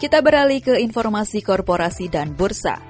kita beralih ke informasi korporasi dan bursa